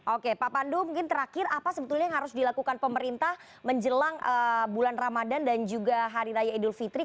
oke pak pandu mungkin terakhir apa sebetulnya yang harus dilakukan pemerintah menjelang bulan ramadan dan juga hari raya idul fitri